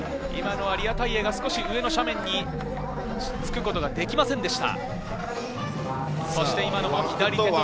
リアタイヤが上の斜面につくことができませんでした。